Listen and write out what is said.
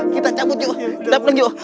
kita cabut yuk dapet yuk